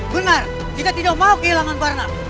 benar kita tidak mau kehilangan warna